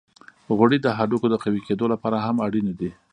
غوړې د هډوکو د قوی کیدو لپاره هم اړینې دي.